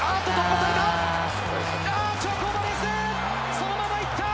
そのまま行った！